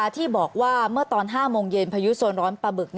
ที่บอกว่าเมื่อตอน๕โมงเย็นพายุโซนร้อนปลาบึก